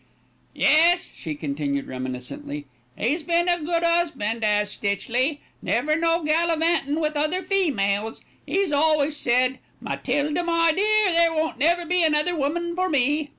"Yes," she continued reminiscently, "'e's been a good 'usbindt 'as Stitchley. Never no gallivanting with other females. 'E's always said: 'Matilda, my dear, there won't never be another woman for me.'